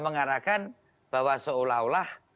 mengarahkan bahwa seolah olah